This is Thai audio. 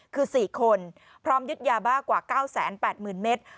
คือ๔คนพร้อมยึดยาบ้ากว่า๙๘๐๐๐เมตร